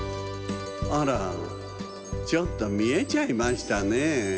あらちょっとみえちゃいましたね。